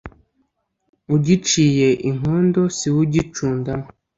Ugiciye inkondo siwe ugicundamo.